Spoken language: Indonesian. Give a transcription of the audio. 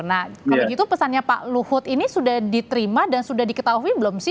nah kalau gitu pesannya pak luhut ini sudah diterima dan sudah diketahui belum sih